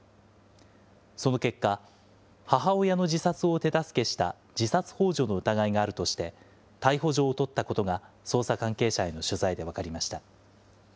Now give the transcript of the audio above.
その結果、母親の自殺を手助けした自殺ほう助の疑いがあるとして、逮捕状を取ったことが捜査関係者への取材で分かりました。